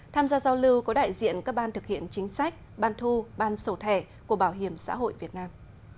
tham gia giao lưu có đại diện các ban thực hiện chính sách ban thu ban sổ thẻ của bảo hiểm xã hội việt nam